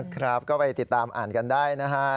ครับก็ไปติดตามอ่านกันได้นะฮะ